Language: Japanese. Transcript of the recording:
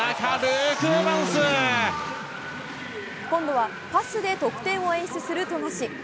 今度はパスで得点を演出する富樫。